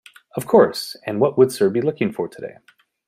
Of course, and what would sir be looking for today?